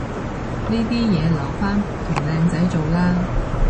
呢啲嘢留返同靚仔做啦